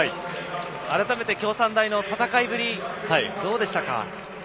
改めて京産大の戦いぶりどうでしたか？